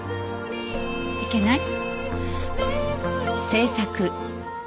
いけない？